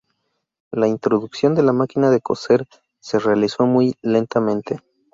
La introducción de la máquina de coser se realizó muy lentamente.